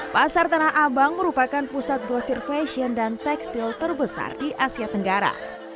pasar tanah abang merupakan pusat grosir fashion dan tekstil terbesar di asia tenggara